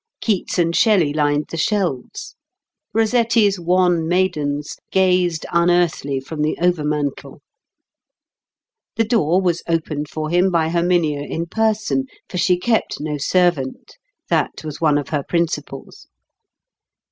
Keats and Shelley lined the shelves; Rossetti's wan maidens gazed unearthly from the over mantel. The door was opened for him by Herminia in person; for she kept no servant—that was one of her principles.